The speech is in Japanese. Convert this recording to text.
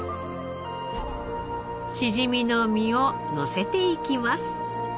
しじみの身をのせていきます。